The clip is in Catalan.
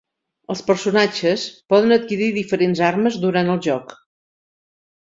Els personatges poden adquirir diferents armes durant el joc.